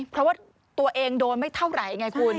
เพราะว่าตัวเองโดนไม่เท่าไหร่ไงคุณ